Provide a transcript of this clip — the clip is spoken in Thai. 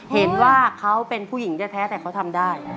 เห็นว่าเขาเป็นผู้หญิงแท้แต่เขาทำได้